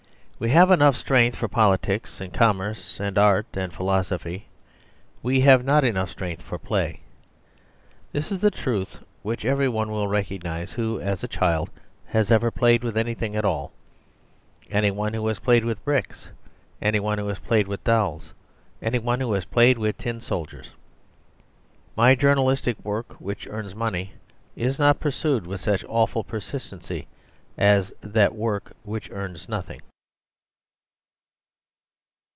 We have enough strength for politics and commerce and art and philosophy; we have not enough strength for play. This is a truth which every one will recognize who, as a child, has ever played with anything at all; any one who has played with bricks, any one who has played with dolls, any one who has played with tin soldiers. My journalistic work, which earns money, is not pursued with such awful persistency as that work which earned nothing.